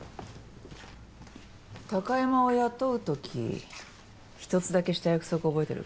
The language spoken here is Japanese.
貴山を雇うとき１つだけした約束覚えてる？